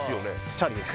チャリです